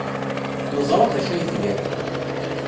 Neẓra d acu ay tgam.